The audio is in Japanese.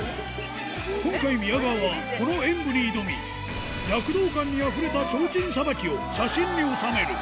今回、宮川はこの演舞に挑み、躍動感にあふれた提灯さばきを写真に収め